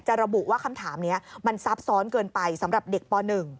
ระบุว่าคำถามนี้มันซับซ้อนเกินไปสำหรับเด็กป๑